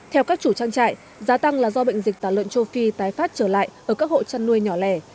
theo các chủ trang trại giá tăng là do bệnh dịch tả lợn châu phi tái phát trở lại ở các hộ chăn nuôi nhỏ lẻ